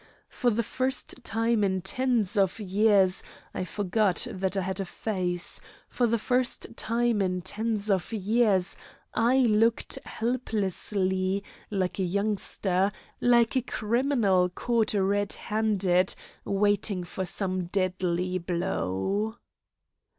For the first time in tens of years I forgot that I had a face for the first time in tens of years I looked helplessly, like a youngster, like a criminal caught red handed, waiting for some deadly blow.